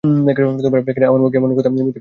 আমার মুখে এমন কথা মিথ্যা বিনয়ের মতো শোনায়।